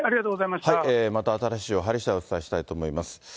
また新しい情報入りしだい、お伝えしたいと思います。